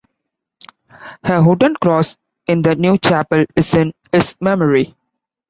A wooden cross in the New Chapel is in his memory.